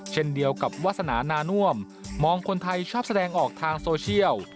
เช่นเดียวกับวาสนานาน่วมมองคนไทยชอบแสดงออกทางโซเชียล